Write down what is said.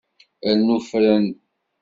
Rnu fren.